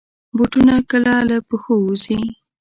بوټونه کله له پښو وځي.